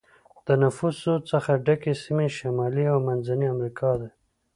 د نفوسو څخه ډکې سیمې شمالي او منځنی امریکا دي.